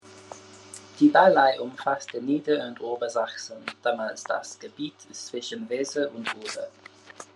Die Ballei umfasste Nieder- und Obersachsen, damals das Gebiet zwischen Weser und Oder.